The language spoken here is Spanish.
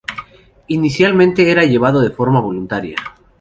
Inicialmente era llevado de forma voluntaria.